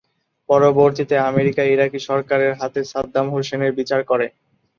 পরবর্তিতে America Iraqi সরকারের হাতে সাদ্দাম হোসেনের বিচার করে।